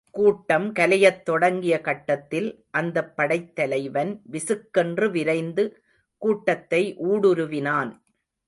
கூட்டம் கலையத் தொடங்கிய கட்டத்தில், அந்தப் படைத் தலைவன் விசுக்கென்று விரைந்து கூட்டத்தை ஊடுருவினான்.